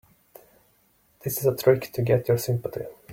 This is a trick to get your sympathy.